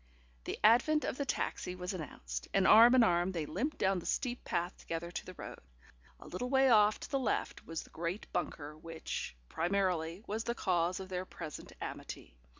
The advent of the taxi was announced, and arm in arm they limped down the steep path together to the road. A little way off to the left was the great bunker which, primarily, was the cause of their present amity.